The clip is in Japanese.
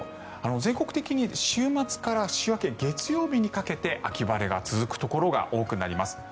全国的に週末から週明け月曜日にかけて秋晴れが続くところが多くなります。